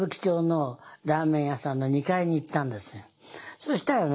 そしたらね